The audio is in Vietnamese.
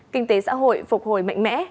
kinh tế xã hội phục hồi mạnh mẽ